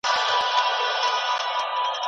دېوان سالاري باید اصلاح سي.